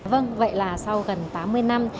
vâng vậy là sau gần tám mươi năm